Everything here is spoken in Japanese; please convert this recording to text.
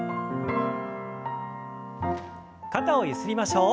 肩をゆすりましょう。